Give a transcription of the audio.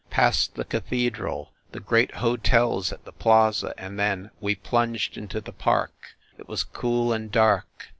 Past the Cathedral, the great hotels at the plaza, and then we plunged into the Park ... it was cool and dark